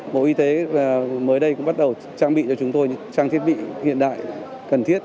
bộ y tế mới đây cũng bắt đầu trang bị cho chúng tôi những trang thiết bị hiện đại cần thiết